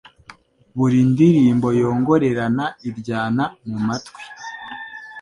Buri ndirimbo yongorerana iryana mu matwi